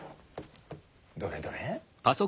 どれどれ。